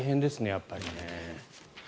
やっぱりね。